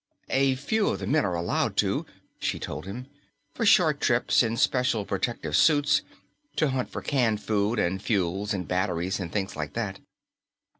"A few of the men are allowed to," she told him, "for short trips in special protective suits, to hunt for canned food and fuels and batteries and things like that."